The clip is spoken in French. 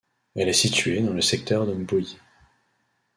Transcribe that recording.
Elle est située dans le secteur de Mboyi.